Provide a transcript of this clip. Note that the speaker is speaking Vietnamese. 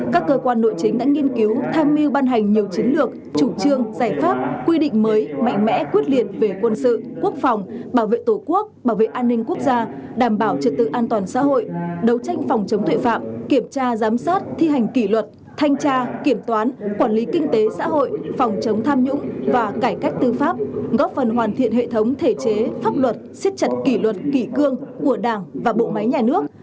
các cơ quan nội chính đã nghiên cứu tham mưu ban hành nhiều chiến lược chủ trương giải pháp quy định mới mạnh mẽ quyết liệt về quân sự quốc phòng bảo vệ tổ quốc bảo vệ an ninh quốc gia đảm bảo trật tự an toàn xã hội đấu tranh phòng chống tuệ phạm kiểm tra giám sát thi hành kỷ luật thanh tra kiểm toán quản lý kinh tế xã hội phòng chống tham nhũng và cải cách tư pháp góp phần hoàn thiện hệ thống thể chế pháp luật xếp chặt kỷ luật kỷ cương của đảng và bộ máy nhà nước